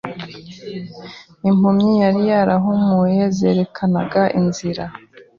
Impumyi yari yarahumuye zerekanaga inzira.